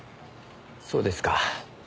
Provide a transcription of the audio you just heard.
そうですか。